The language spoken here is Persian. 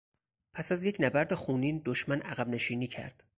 پس از یک نبرد خونین دشمن عقب نشینی کرد.